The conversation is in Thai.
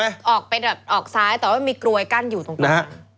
เขาก็ออกเปรียบออกซ้ายเดี๋ยวว่ามีกลวยกั้นอยู่ตรงนั้น